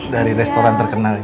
dari restoran terkenal ini